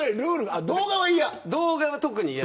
動画は嫌。